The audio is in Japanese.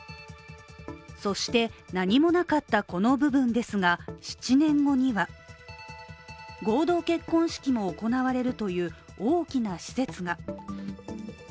そして何もなかったこの部分ですが７年後には、合同結婚式も行われるという大きな施設が。